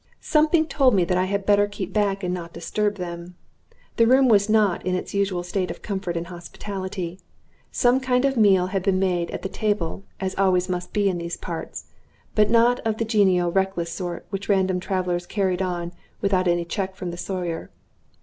Something told me that I had better keep back and not disturb them. The room was not in its usual state of comfort and hospitality. Some kind of meal had been made at the table, as always must be in these parts; but not of the genial, reckless sort which random travelers carried on without any check from the Sawyer.